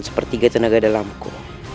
sepertiga tenaga dalamku